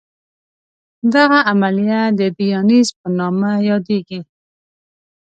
دغه عملیه د دیالیز په نامه یادېږي.